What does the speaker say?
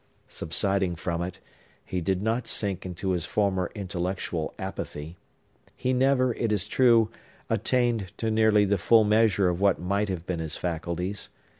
Subsiding from it, he did not sink into his former intellectual apathy. He never, it is true, attained to nearly the full measure of what might have been his faculties.